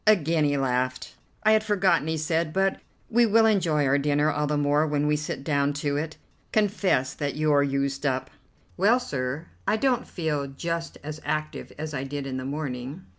Again he laughed. "I had forgotten," he said, "but we will enjoy our dinner all the more when we sit down to it. Confess that you're used up." "Well, sir, I don't feel just as active as I did in the morning."